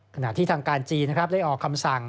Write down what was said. ขณะที่ทางการจีนนะครับได้ออกคำสั่ง